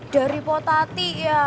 dari potati ya